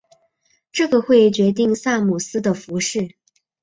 这个会决定萨姆斯的服饰。